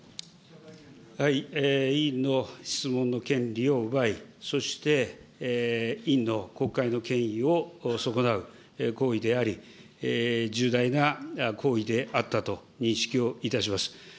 委員の質問の権利を奪い、そして委員の国会の権威を損なう行為であり、重大な行為であったと認識をいたします。